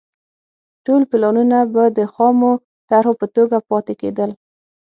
ټول پلانونه به د خامو طرحو په توګه پاتې کېدل